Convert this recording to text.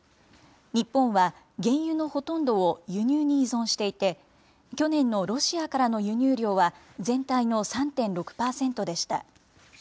日本は原油のほとんどを輸入に依存していて、去年のロシアからの輸入量は、全体の３．６％でした。